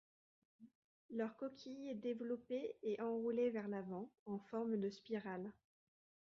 Leur coquille est développée et enroulée vers l'avant, en forme de spirale.